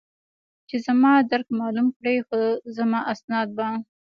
چې زما درک معلوم کړي، خو زما اسناد به.